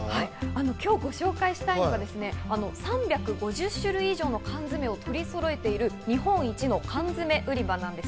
今日ご紹介したいのが３５０種類以上の缶詰を取りそろえている日本一の缶詰売り場なんです。